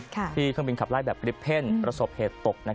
เครื่องบินขับไล่แบบกริปเพ่นประสบเหตุตก